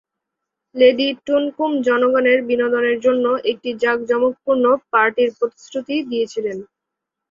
Lady টুনকুম জনগণের বিনোদনের জন্য একটি জাঁকজমকপূর্ণ পার্টির প্রতিশ্রুতি দিয়েছিলেন।